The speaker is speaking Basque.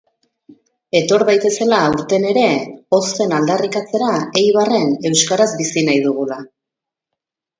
Etor daitezela aurten ere, ozen aldarrikatzera Eibarren euskaraz bizi nahi dugula.